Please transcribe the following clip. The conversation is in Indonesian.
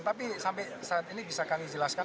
tapi sampai saat ini bisa kami jelaskan